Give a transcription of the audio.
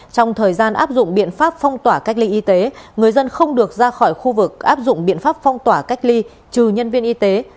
trong thời gian áp dụng biện pháp phong tỏa cách ly y tế người dân không được ra khỏi khu vực áp dụng biện pháp phong tỏa cách ly trừ nhân viên y tế